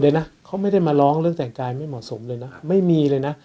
เลยนะเขาไม่ได้มาร้องเรื่องแต่งกายไม่เหมาะสมเลยนะไม่มีเลยนะ